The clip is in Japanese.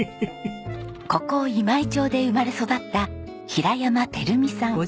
ここ今井町で生まれ育った平山照巳さん。